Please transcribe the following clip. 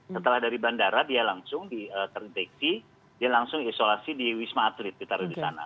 setelah dari bandara dia langsung terdeteksi dia langsung isolasi di wisma atlet ditaruh di sana